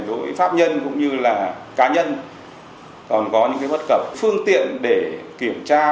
đối với pháp nhân cũng như là cá nhân còn có những bất cập phương tiện để kiểm tra